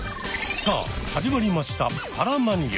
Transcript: さあ始まりました「パラマニア」。